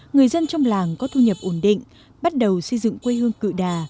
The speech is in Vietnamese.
người dân trong làng có thu nhập ổn định bắt đầu xây dựng quê hương cự đà